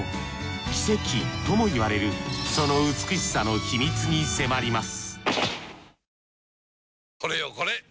奇跡とも言われるその美しさの秘密に迫ります